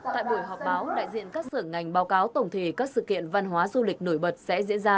tại buổi họp báo đại diện các sở ngành báo cáo tổng thể các sự kiện văn hóa du lịch nổi bật sẽ diễn ra